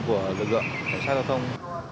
của lực lượng cảnh sát giao thông